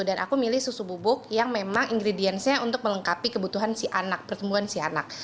dan aku milih susu bubuk yang memang ingredients nya untuk melengkapi kebutuhan si anak pertumbuhan si anak